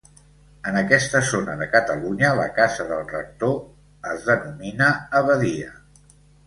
En aquesta zona de Catalunya, la casa del rector es denomina abadia.